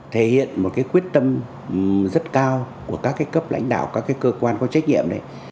thể hiện một quyết tâm rất cao của các cấp lãnh đạo các cơ quan có trách nhiệm đấy